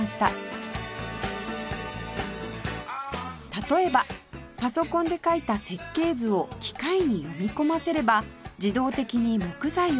例えばパソコンで描いた設計図を機械に読み込ませれば自動的に木材をカット